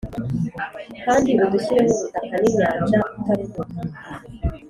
kandi ushyireho ubutaka ninyanja utaruhuka: